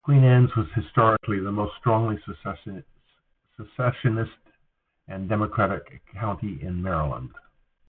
Queen Anne's was historically the most strongly secessionist and Democratic county in Maryland.